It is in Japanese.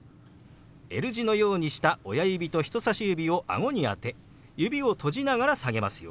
Ｌ字のようにした親指と人さし指をあごに当て指を閉じながら下げますよ。